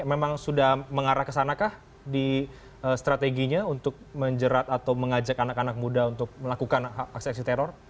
memang sudah mengarah ke sanakah di strateginya untuk menjerat atau mengajak anak anak muda untuk melakukan aksi aksi teror